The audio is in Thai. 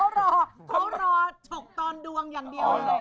เขารอเขารอฉกตอนดวงอย่างเดียวเลย